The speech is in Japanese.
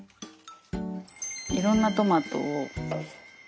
いろんなトマトを混ぜる。